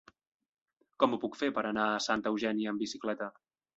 Com ho puc fer per anar a Santa Eugènia amb bicicleta?